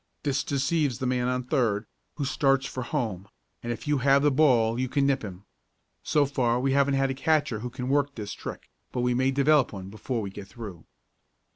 This deceives the man on third, who starts for home, and if you have the ball you can nip him. So far we haven't had a catcher who can work this trick, but we may develop one before we get through."